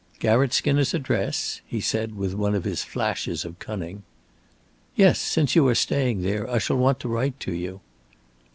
"Garratt Skinner's address?" he said, with one of his flashes of cunning. "Yes, since you are staying there. I shall want to write to you."